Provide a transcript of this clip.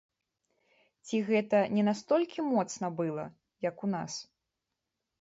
Ці гэта не настолькі моцна была, як у нас?